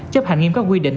chấp hành nghiêm các quy định